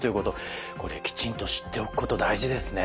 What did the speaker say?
これきちんと知っておくこと大事ですね。